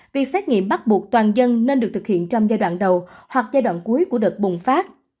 việc xét nghiệm bắt buộc toàn dân nên được thực hiện trong giai đoạn đầu hoặc giai đoạn cuối của đợt bùng phát